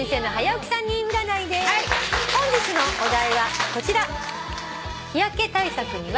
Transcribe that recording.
本日のお題はこちら。